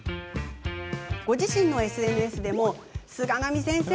ご自身のＳＮＳでも菅波先生！